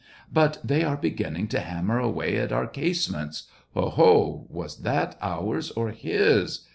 " But they are beginning to hammer away at our casemates. Oho ! was that ours or his